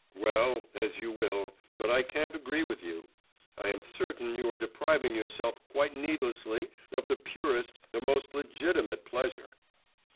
'Well, as you will, but I can't agree with you; I am certain you are depriving yourself quite needlessly of the purest, the most legitimate pleasure.